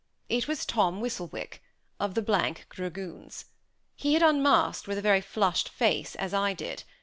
It was Tom Whistlewick, of the th Dragoons. He had unmasked, with a very flushed face, as I did.